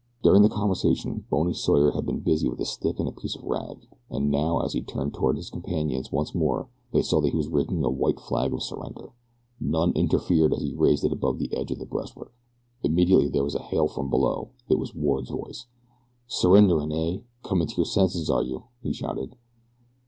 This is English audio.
During the conversation Bony Sawyer had been busy with a stick and a piece of rag, and now as he turned toward his companions once more they saw that he had rigged a white flag of surrender. None interfered as he raised it above the edge of the breastwork. Immediately there was a hail from below. It was Ward's voice. "Surrenderin', eh? Comin' to your senses, are you?" he shouted.